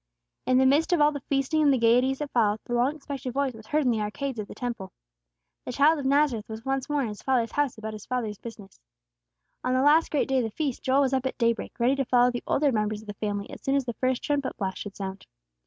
In the midst of all the feasting and the gayeties that followed, the long expected Voice was heard in the arcades of the Temple. The Child of Nazareth was once more in His Father's house about His Father's business. On the last great day of the feast, Joel was up at day break, ready to follow the older members of the family as soon as the first trumpet blast should sound.